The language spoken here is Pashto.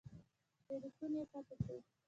تیلفون یې قطع شو.